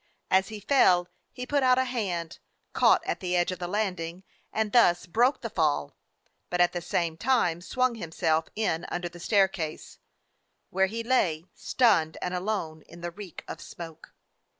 As he fell he put out a hand, caught at the edge of the landing, and thus broke the fall, but at the same time swung himself in under the staircase, where he lay, stunned and alone, in the reek of smoke.